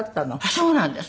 そうなんです。